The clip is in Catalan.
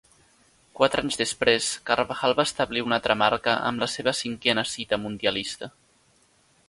Quatre anys després, Carbajal va establir una altra marca amb la seva cinquena cita mundialista.